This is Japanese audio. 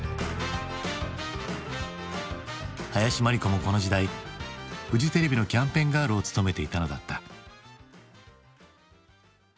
林真理子もこの時代フジテレビのキャンペーンガールを務めていたのだった。